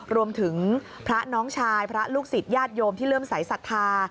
รวมถึงพระน้องชายพระลูกศิษย์ญาติโยมที่เริ่มสายศรัทธา